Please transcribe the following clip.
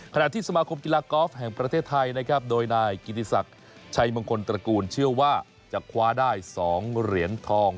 ที่สมาคมกีฬากอล์ฟแห่งประเทศไทยนะครับโดยนายกิติศักดิ์ชัยมงคลตระกูลเชื่อว่าจะคว้าได้๒เหรียญทอง